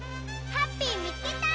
ハッピーみつけた！